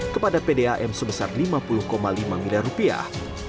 kepada pdam sebesar lima puluh lima miliar rupiah